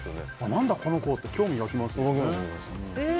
何だこの子？って興味が湧きますよね。